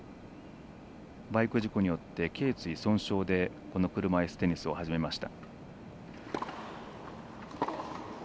バイク事故によってけい椎損傷でこの車いすテニスを始めました。